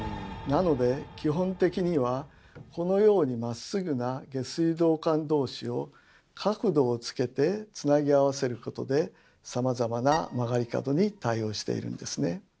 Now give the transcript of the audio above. なので基本的にはこのようにまっすぐな下水道管同士を角度をつけてつなぎ合わせることでさまざまな曲がり角に対応しているんですね。